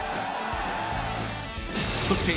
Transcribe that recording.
［そして］